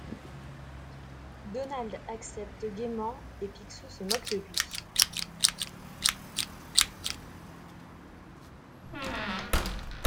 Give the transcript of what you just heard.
Donald accepte gaiement et Picsou se moque de lui.